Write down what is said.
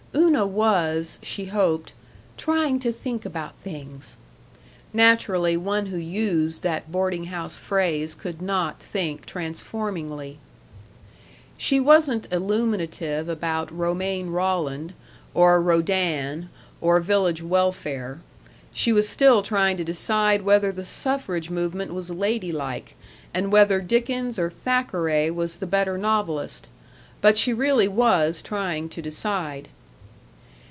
§ 5 Una was, she hoped, "trying to think about things." Naturally, one who used that boarding house phrase could not think transformingly. She wasn't illuminative about Romain Rolland or Rodin or village welfare. She was still trying to decide whether the suffrage movement was ladylike and whether Dickens or Thackeray was the better novelist. But she really was trying to decide.